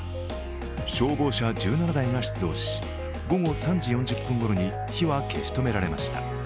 消防車１７台が出動し、午後３時４０分ごろに火は消し止められました。